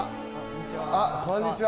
あっこんにちは。